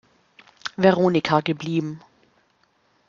Veronika geblieben.